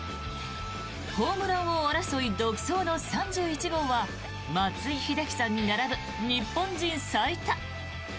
ホームラン王争い独走の３１号は松井秀喜さんに並ぶ日本人最多。